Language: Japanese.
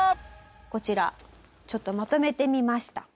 こちらちょっとまとめてみました。